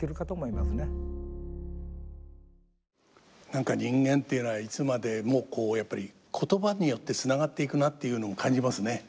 何か人間というのはいつまでもこうやっぱり言葉によってつながっていくなっていうのを感じますね。